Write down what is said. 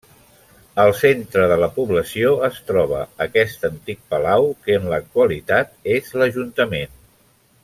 Al centre de la població es troba aquest antic Palau que en l'actualitat és l'Ajuntament.